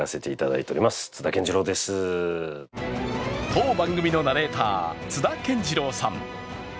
当番組のナレーター、津田健次郎さん。